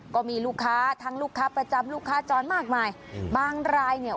ก็มีลูกค้าทั้งลูกค้าประจำลูกค้าจรมากมายบางรายเนี่ย